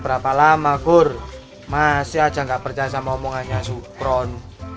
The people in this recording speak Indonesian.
berapa lama kur masih aja nggak percaya sama omongannya sukron